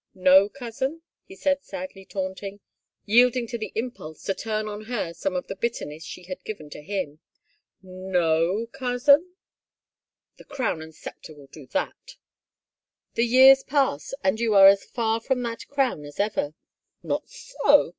" No, cousin ?" he said sadly taunting, yielding to the impulse to turn on her some of the bitterness she had given to him. " No, cousin ?"" The crown and scepter will do that !"" The years pass and you are as far from that crown as ever." " Not so